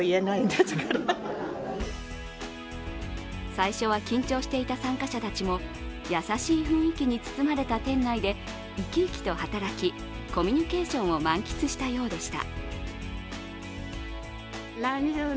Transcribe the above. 最初は緊張していた参加者たちも優しい雰囲気に包まれた店内で生き生きと働き、コミュニケーションを満喫したようでした。